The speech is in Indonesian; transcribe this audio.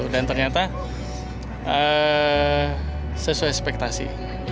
dan ternyata sesuai ekspektasi